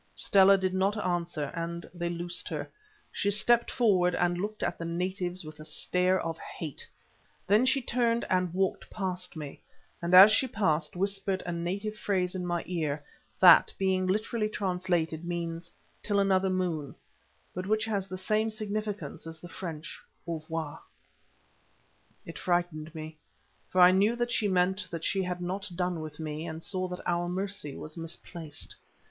Stella did not answer, and they loosed her. She stepped forward and looked at the natives with a stare of hate. Then she turned and walked past me, and as she passed whispered a native phrase in my ear, that, being literally translated, means, "Till another moon," but which has the same significance as the French "au revoir." It frightened me, for I knew she meant that she had not done with me, and saw that our mercy was misplaced.